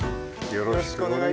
よろしくお願いします。